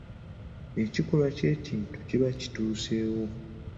Ekikolwa kye kintu ekiba kituuseewo.